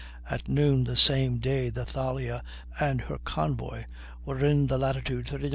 at noon the same day the Thalia and her convoy were in latitude 39° N.